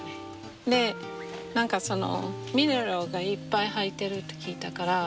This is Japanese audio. で何かそのミネラルがいっぱい入ってるって聞いたから。